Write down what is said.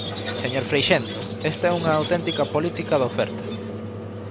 Señor Freixendo, esta é unha auténtica política da oferta.